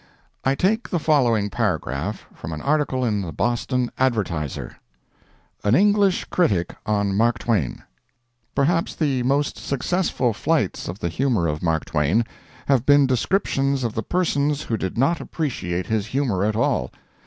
I take the following paragraph from an article in the Boston "Advertiser": AN ENGLISH CRITIC ON MARK TWAIN. —Perhaps the most successful flights of the humor of Mark Twain have been descriptions of the persons who did not appreciate his humor at all.